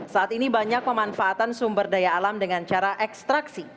saat ini banyak pemanfaatan sumber daya alam dengan cara ekstraksi